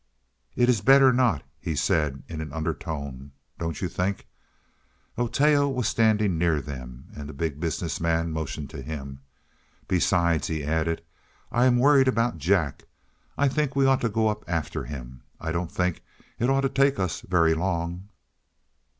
"It is better not," he said in an undertone, "don't you think?" Oteo was standing near them, and the Big Business Man motioned to him. "Besides," he added, "I'm worried about Jack. I think we ought to go up after him. I don't think it ought to take us very long."